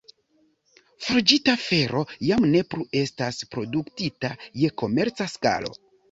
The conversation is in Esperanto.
Forĝita fero jam ne plu estas produktita je komerca skalo.